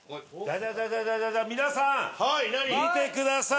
ダダダ皆さん見てください！